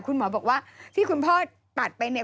คุณหมอบอกว่าที่คุณพ่อตัดไปเนี่ย